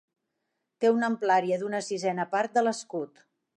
Té una amplària d'una sisena part de l'escut.